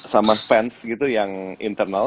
sama fans gitu yang internal